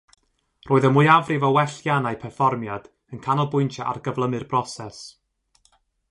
Roedd y mwyafrif o welliannau perfformiad yn canolbwyntio ar gyflymu'r broses.